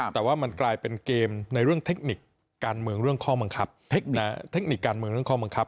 แต่ว่ามันกลายเป็นเกมในการเมืองในสภา